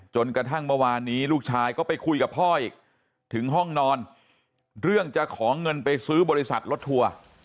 จนกระทั่งเมื่อวานนี้ลูกชายก็ไปคุยกับพ่ออีกถึงห้องนอนเรื่องจะขอเงินไปซื้อบริษัทรถทัวร์